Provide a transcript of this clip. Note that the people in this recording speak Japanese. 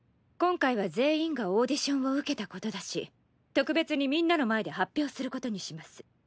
今回は全員がオーディションを受けたことだし特別にみんなの前で発表することにします。